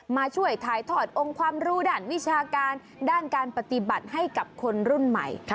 มาช่วยถ่ายทอดองค์ความรู้ด้านวิชาการด้านการปฏิบัติให้กับคนรุ่นใหม่